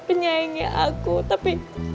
penyayangnya aku tapi